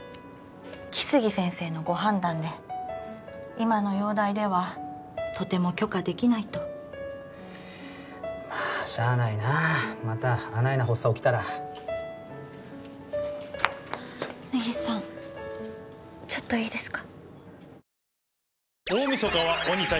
来生先生のご判断で今の容体ではとても許可できないとまあしゃあないなあまたあないな発作起きたら根岸さんちょっといいですか？